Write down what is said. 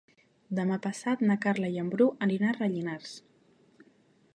Demà passat na Carla i en Bru aniran a Rellinars.